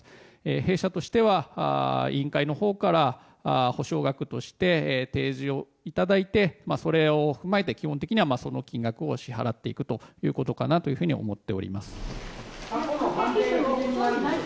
弊社としては委員会のほうから補償額として提示をいただいてそれを踏まえて基本的にはその金額を支払っていくということかなと思っております。